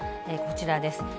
こちらです。